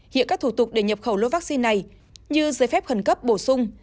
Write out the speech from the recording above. hiện các thủ tục để nhập khẩu lô vaccine này như giấy phép khẩn cấp bổ sung